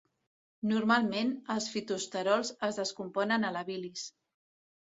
Normalment, els fitosterols es descomponen a la bilis.